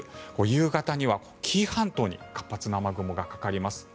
夕方には紀伊半島に活発な雨雲がかかります。